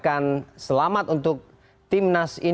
putus putus ini terbiaya